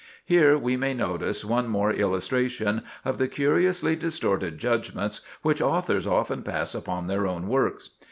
Here we may notice one more illustration of the curiously distorted judgments which authors often pass upon their own works.